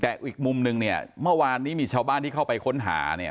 แต่อีกมุมนึงเนี่ยเมื่อวานนี้มีชาวบ้านที่เข้าไปค้นหาเนี่ย